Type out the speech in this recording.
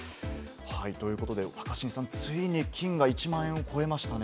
ということで、若新さん、ついに金が１万円を超えましたね。